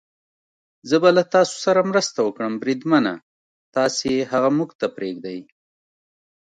زه به له تاسو سره مرسته وکړم، بریدمنه، تاسې هغه موږ ته پرېږدئ.